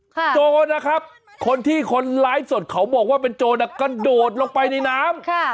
โจรนะครับคนที่คนไลฟ์สดเขาบอกว่าเป็นโจรอะกระโดดลงไปในน้ำค่ะ